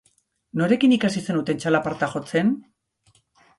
Norekin ikasi zenuten txalaparta jotzen?